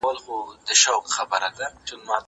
کېدای سي سپينکۍ نم وي؟